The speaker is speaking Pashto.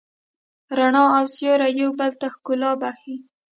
رڼا او سیوری یو بل ته ښکلا بښي.